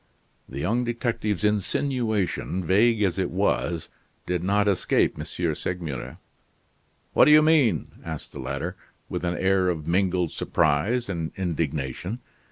The young detective's insinuation, vague as it was, did not escape M. Segmuller. "What do you mean?" asked the latter, with an air of mingled surprise and indignation.